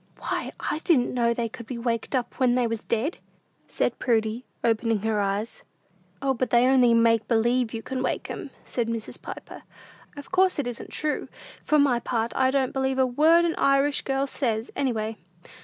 "Why, I didn't know they could be waked up when they was dead," said Prudy, opening her eyes. "O, but they only make believe you can wake 'em," said Mrs. Piper; "of course it isn't true! For my part, I don't believe a word an Irish girl says, any way."